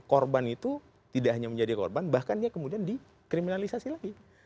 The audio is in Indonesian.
korban itu tidak hanya menjadi korban bahkan dia kemudian dikriminalisasi lagi